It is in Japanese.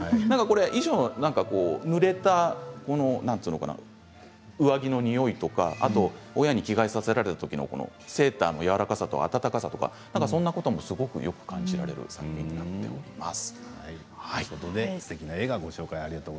衣装のぬれた上着のにおいとか親に着替えさせられた時のセーターの柔らかさと温かさとかそんなこともすごくよく感じられる作品になっております。